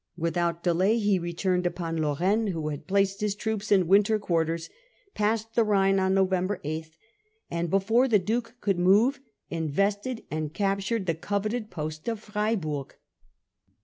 Without delay he returned upon Lorraine, who had placed his troops in winter quarters, passed the Rhine on November 8, and, before the Duke could move, invested and captured the coveted post of Freiburg.